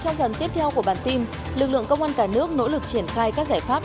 trong phần tiếp theo của bản tin lực lượng công an cả nước nỗ lực triển khai các giải pháp